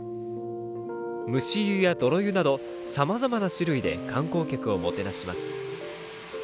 蒸し湯や泥湯など、さまざまな種類で観光客をもてなします。